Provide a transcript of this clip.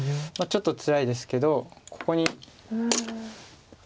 ちょっとつらいですけどここに。